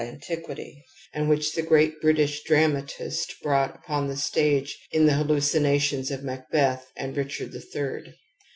THE AMBIVALENCE OF EMOTIONS 65 tiquity, and which the great British dramatist ) brought upon the stage in the hallucinations of Macbeth and Richard the Third.